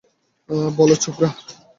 বলো, ছোকরা।